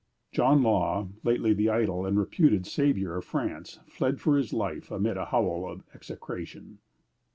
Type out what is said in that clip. John Law, lately the idol and reputed savior of France, fled for his life, amid a howl of execration.